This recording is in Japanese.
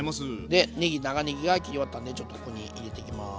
でねぎ長ねぎが切り終わったんでちょっとここに入れていきます。